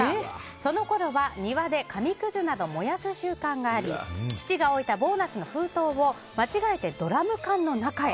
そのころは庭で紙くずなど燃やす習慣があり父が置いたボーナスの封筒を間違えてドラム缶の中へ。